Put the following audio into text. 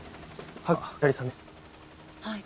はい。